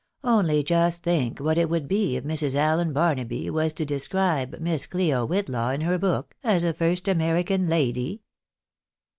Only just think what it would be if Mrs. Allen Barnaby was to describe Miss Clio Whitlaw in her book as a first rate American lady